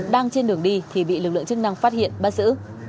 đang trên đường đi thì bị lực lượng chức năng phát hiện bắt giữ